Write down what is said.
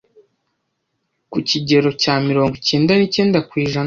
ku kigero cya miringo icyenda nicyenda kwijana